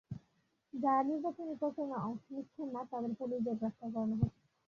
যাঁরা নির্বাচনী প্রচারণায় অংশ নিচ্ছেন না, তাঁদের পুলিশ দিয়ে গ্রেপ্তার করানো হচ্ছে।